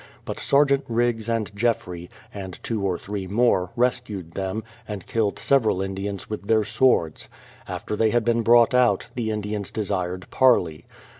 But Sergeant Riggs and Jeffrey, and two or three more, rescued them, and killed several Indians with their swords. After they had been brought out, the Indians desired parley.